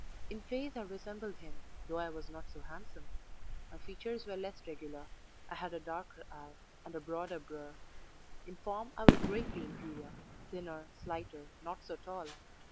In face I resembled him, though I was not so handsome; my features were less regular; I had a darker eye, and a broader brow in form I was greatly inferior thinner, slighter, not so tall.